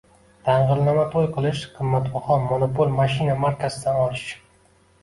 dang‘illama to‘y qilish, qimmatbaho monopol mashina markasidan olish